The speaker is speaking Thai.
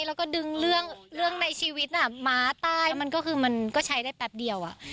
แล้วก็ดึงเรื่องเรื่องในชีวิตน่ะม้าตายแล้วมันก็คือมันก็ใช้ได้แป๊บเดียวอ่ะ